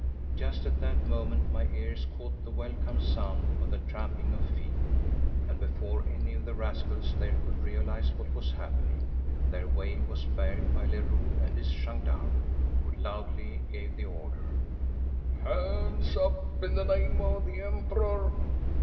Just at that moment my ears caught the welcome sound of the tramping of feet, and before any of the rascals there could realise what was happening, their way was barred by Leroux and his gendarmes, who loudly gave the order, "Hands up, in the name of the Emperor!"